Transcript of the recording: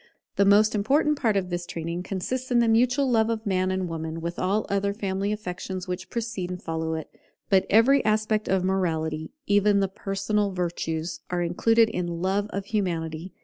The most important part of this training consists in the mutual love of Man and Woman, with all other family affections which precede and follow it. But every aspect of morality, even the personal virtues, are included in love of Humanity.